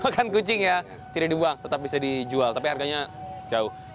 makan kucing ya tidak dibuang tetap bisa dijual tapi harganya jauh